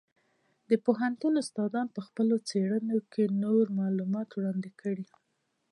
د پوهنتون استادانو په خپلو څېړنو کې نوي معلومات وړاندې کړل.